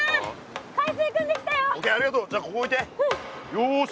よし！